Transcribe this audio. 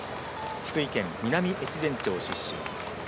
福井県南越前町出身。